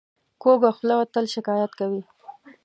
کوږه خوله تل شکایت کوي